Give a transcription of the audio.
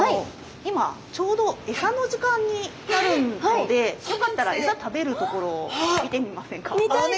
今ちょうどエサの時間になるのでよかったらエサ食べるところを見てみませんか？